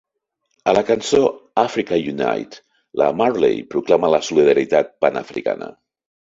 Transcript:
A la cançó "Africa Unite", la Marley proclama la solidaritat panafricana.